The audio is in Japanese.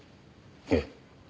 ええ。